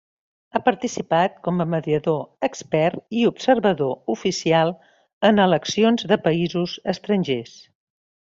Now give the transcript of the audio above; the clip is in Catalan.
Ha participat com a mediador expert i observador oficial en eleccions de països estrangers.